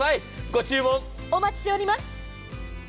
ご注文お待ちしております！